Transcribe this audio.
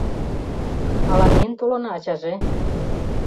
— Ала миен толына, ачаже?